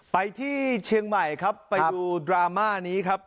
ไปที่เชียงใหม่ครับไปดูดราม่านี้ครับ